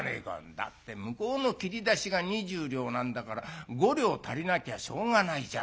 「だって向こうの切り出しが２０両なんだから５両足りなきゃしょうがないじゃないか」。